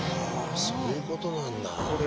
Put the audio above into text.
そういうことなんだ。